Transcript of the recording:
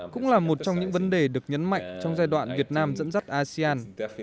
cũng là một trong những vấn đề được nhấn mạnh trong giai đoạn việt nam dẫn dắt asean